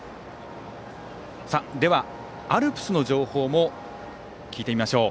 では、アルプスの情報も聞いてみましょう。